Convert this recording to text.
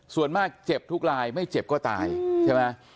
ส่วนมากเจ็บทุกลายไม่เจ็บก็ตายใช่ไหม